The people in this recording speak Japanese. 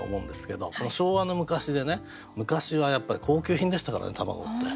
「昭和の昔」でね昔はやっぱり高級品でしたからね卵って。